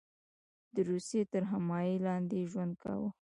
د روسیې تر حمایې لاندې ژوند کاوه.